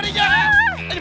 eh eh tolong